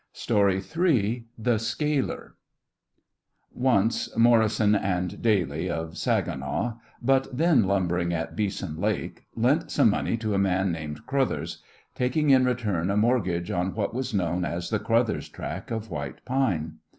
III THE SCALER Once Morrison & Daly, of Saginaw, but then lumbering at Beeson Lake, lent some money to a man named Crothers, taking in return a mortgage on what was known as the Crothers Tract of white pine.